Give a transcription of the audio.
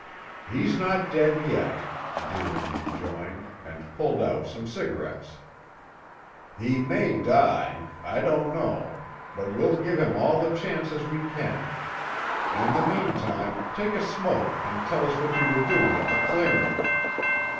"He's not dead yet," Deering rejoined, and pulled out some cigarettes. "He may die. I don't know, but we'll give him all the chances we can. In the meantime, take a smoke and tell us what you were doing at the clearing."